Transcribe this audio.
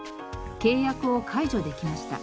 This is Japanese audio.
契約を解除できました。